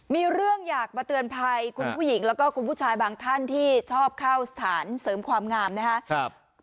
มีเรื่องอยากมาเตือนภัยคุณผู้หญิงแล้วก็คุณผู้ชายบางท่านที่ชอบเข้าสถานเสริมความงามนะครับ